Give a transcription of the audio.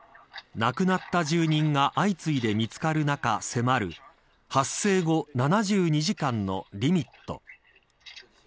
亡くなった住人が相次いで見つかる中迫る発生後７２時間のリミット。